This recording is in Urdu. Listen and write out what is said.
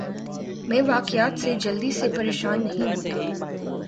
میں واقعات سے جلدی سے پریشان نہیں ہوتا